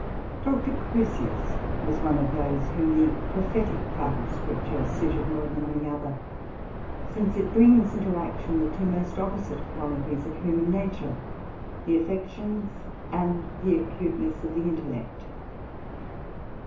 Doctor Crusius was one of those whom the prophetic part of Scripture suited more than any other, since it brings into action the two most opposite quali ties of human nature, the affections, and the acuteness of the intellect.